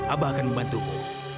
abah akan membantumu